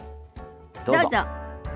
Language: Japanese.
どうぞ。